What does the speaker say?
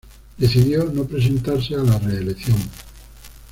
Decidió no presentarse a la reelección.